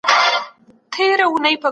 مجموعي عرضه باید د خلګو غوښتنې پوره کړي.